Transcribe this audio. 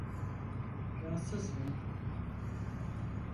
Rahatsız mı?